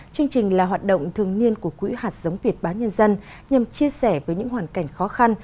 chương trình là hoạt động thường niên của quỹ hạt giống việt bán nhân dân nhằm chia sẻ với những hoàn cảnh khó khăn